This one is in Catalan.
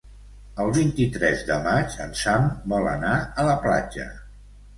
El vint-i-tres de maig en Sam vol anar a la platja.